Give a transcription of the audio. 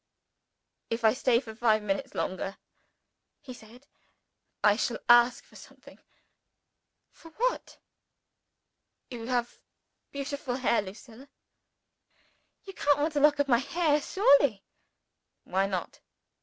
"If I stay for five minutes longer," he said, "I shall ask for something." "For what?" "You have beautiful hair, Lucilla." "You can't want a lock of my hair, surely?" "Why not?"